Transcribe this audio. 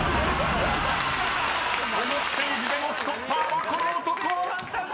［このステージでもストッパーはこの男！］